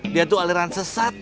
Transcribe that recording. dia itu aliran sesat